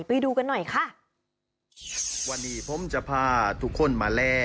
ไปดูกันหน่อยค่ะวันนี้ผมจะพาทุกคนมาแล้ว